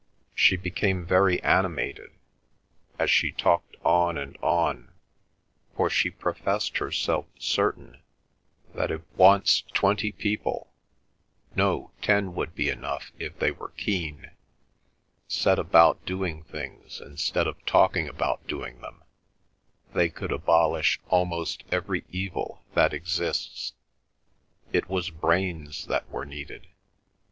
She became very animated, as she talked on and on, for she professed herself certain that if once twenty people—no, ten would be enough if they were keen—set about doing things instead of talking about doing them, they could abolish almost every evil that exists. It was brains that were needed.